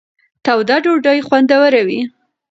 توده ډوډۍ خوندوره وي.